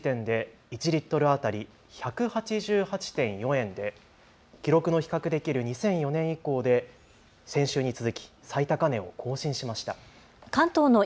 東京都のレギュラーガソリンの小売価格はおととい時点で１リットル当たり１８８．４円で記録の比較できる２００４年以降で先週に続き最高値を更新しました。